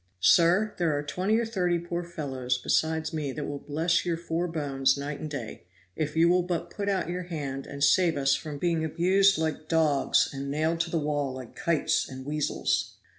"Sir, there are twenty or thirty poor fellows besides me that will bless your four bones night and day, if you will but put out your hand and save us from being abused like dogs and nailed to the wall like kites and weasels.